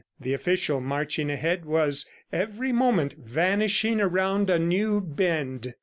The official marching ahead was every moment vanishing around a new bend.